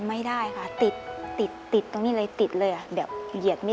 ไม่ได้ค่ะติดติดตรงนี้เลยติดเลยอ่ะแบบเหยียดไม่